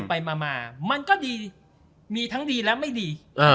ไปมามันก็ดีมีทั้งดีและไม่ดี